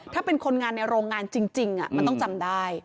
ถ้าเป็นคนงานในโรงงานจริงมันต้องจำได้